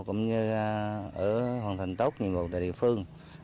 cũng như ở hoàn thành tốt nhiệm vụ tại địa phương